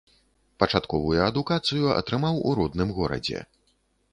Пачатковую адукацыю атрымаў у родным горадзе.